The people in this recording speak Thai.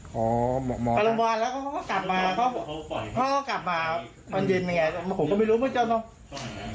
อ๋อไปรุงวาลแล้วเขาก็กลับมาวันยืนผมก็ไม่รู้เมื่อเจ้าตัว